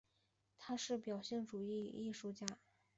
他是表现主义的艺术家。